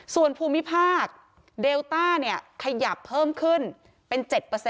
ส่วนภูมิภาคเดลต้าขยับเพิ่มขึ้นเป็น๗